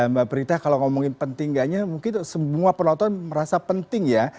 mbak prita kalau ngomongin penting gaknya mungkin semua penonton merasa penting ya